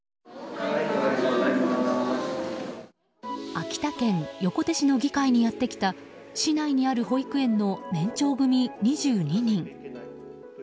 秋田県横手市の議会にやってきた市内にある保育園の年長組２２人。